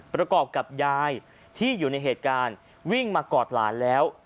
ประกอบกับยายที่อยู่ในเหตุการณ์วิ่งมากอดหลานแล้ว